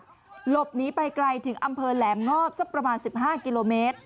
หลบหนีไปไกลถึงอำเภอแหลมงอบสักประมาณ๑๕กิโลเมตร